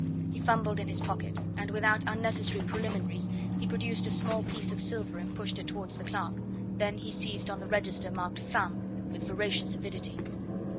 He fumbled in his pocket, and without unnecessary preliminaries he produced a small piece of silver, and pushed it towards the clerk, then he seized on the register marked "Femmes" with voracious avidity.